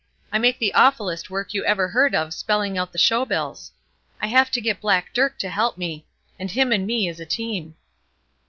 I make the awfulest work you ever heard of spellin' out the show bills. I have to get Black Dirk to help me; and him and me is a team."